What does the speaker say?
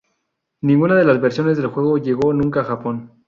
Ninguna de las versiones del juego llegó nunca a Japón.